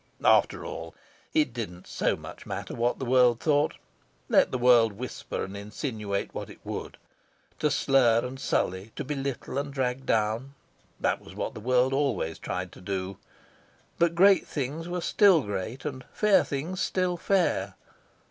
After all, it didn't so much matter what the world thought. Let the world whisper and insinuate what it would. To slur and sully, to belittle and drag down that was what the world always tried to do. But great things were still great, and fair things still fair.